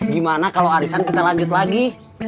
gimana kalau arisan kita lanjut lagi